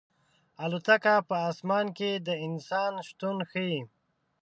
الوتکه په اسمان کې د انسان شتون ښيي.